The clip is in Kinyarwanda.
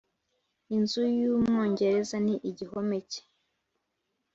inzu y'umwongereza ni igihome cye